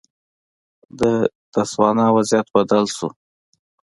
د تسوانا وضعیت بدل شو.